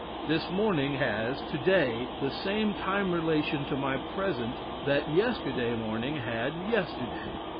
This morning has, to day, the same time relation to my present that yesterday morning had yesterday.